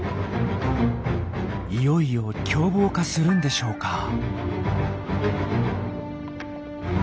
いよいよ凶暴化するんでしょうか？